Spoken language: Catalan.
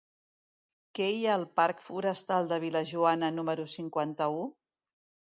Què hi ha al parc Forestal de Vil·lajoana número cinquanta-u?